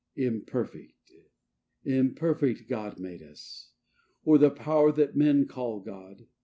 III Imperfect, imperfect God made us, or the power that men call God.